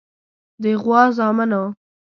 د غوا زامنو.